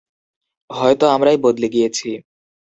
হয়তো আমরাই বদলে গিয়েছি।